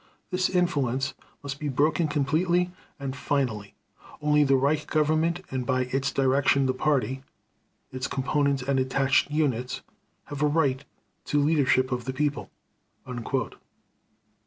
This influence must be broken completely and finally. Only the Reich Government and by its direction the Party, its components and attached units, have a right to leadership of the people."